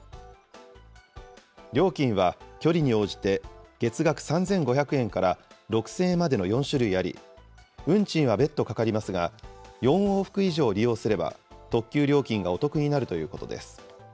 料金は距離に応じて、月額３５００円から６０００円までの４種類あり、運賃は別途かかりますが、４往復以上利用すれば、特急料金がお得になるということです。